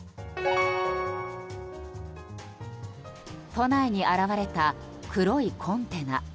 都内に現れた黒いコンテナ。